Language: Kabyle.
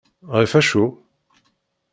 Ɣef acu?